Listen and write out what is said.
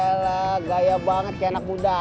ya elah gaya banget kayak anak muda aja